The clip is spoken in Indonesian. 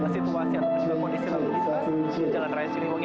situasi atau kondisi yang terjadi di jalan raya siringwangi